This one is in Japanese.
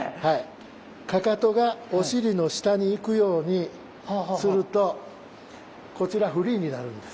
かかとがお尻の下に行くようにするとこちらフリーになるんです。